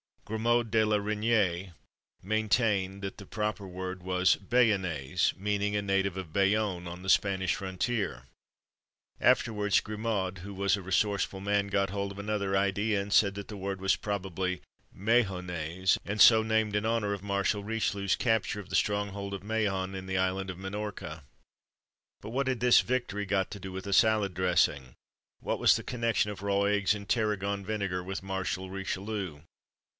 Grimod de la Reyniere maintained that the proper word was "BAYONNAISE," meaning a native of Bayonne, on the Spanish frontier. Afterwards Grimod, who was a resourceful man, got hold of another idea, and said that the word was probably "MAHONNAISE," and so named in honour of Marshal Richelieu's capture of the stronghold of Mahon, in the island of Minorca. But what had this victory got to do with a salad dressing? What was the connection of raw eggs and tarragon vinegar with Marshal Richelieu?